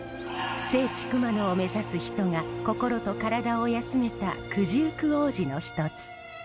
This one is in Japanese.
聖地熊野を目指す人が心と体を休めた九十九王子の一つ。